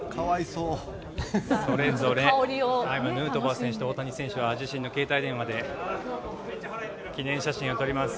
それぞれヌートバー選手と大谷選手は自身の携帯電話で記念写真を撮ります。